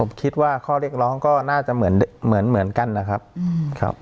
ผมคิดว่าข้อเรียกร้องก็น่าจะเหมือนเหมือนกันนะครับ